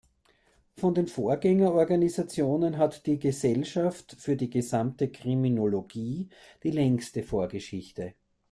Von den Vorgängerorganisationen hat die "Gesellschaft für die gesamte Kriminologie" die längste Vorgeschichte.